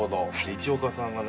一岡さんがね